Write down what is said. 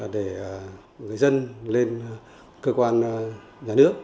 để dân lên cơ quan nhà nước